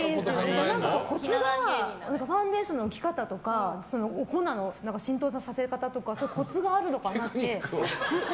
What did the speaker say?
コツがファンデーション打ち方とかお粉の浸透させ方とかコツがあるのかなって。